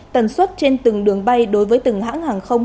tần suất trên từng đường bay đối với từng hãng hàng không